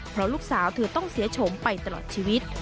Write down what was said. เพราะลูกสาวเธอต้องเสียโฉมไปตลอดชีวิต